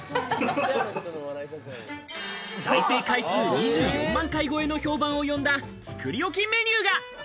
再生回数２４万回超えの評判を呼んだ、作り置きメニューが！